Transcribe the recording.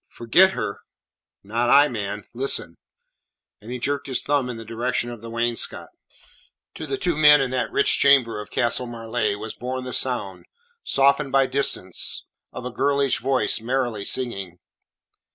"Forget her? Not I, man. Listen." And he jerked his thumb in the direction of the wainscot. To the two men in that rich chamber of Castle Marleigh was borne the sound softened by distance of a girlish voice merrily singing.